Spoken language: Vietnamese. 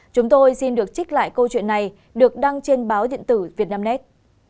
chúng tôi xin được trích lại câu chuyện này được đăng trên báo diện tử việt nam net